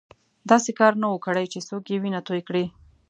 داسې کار نه وو کړی چې څوک یې وینه توی کړي.